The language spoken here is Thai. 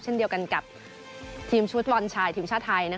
เช่นเดียวกันกับทีมชุดบอลชายทีมชาติไทย